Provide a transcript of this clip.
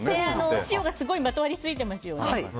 お塩がすごいまとわりついてますよね。